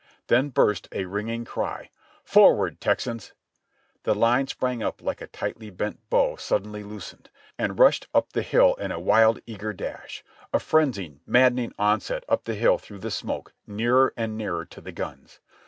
Then burst a ringing cry, "Forward, Texans!" The line sprang Hke a tightly bent bow suddenly loosened, and rushed up the hill in a wild, eager dash — a frenzied, maddening onset up the hill through the smoke, nearer and nearer to the guns.